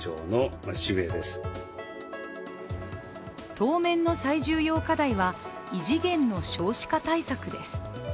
当面の最重要課題は異次元の少子化対策です。